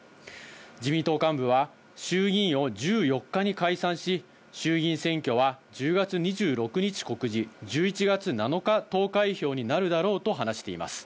自民党幹部は、衆議院を１４日に解散し、衆議院選挙は１０月２６日告示、１１月７日投開票になるだろうと話しています。